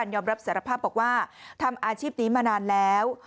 ยอมรับสารภาพบอกว่าทำอาชีพนี้มานานแล้ว